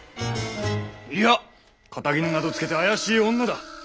いや肩衣などつけて怪しい女だ。